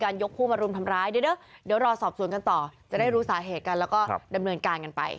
กะเหลี่ยงพม่าครับ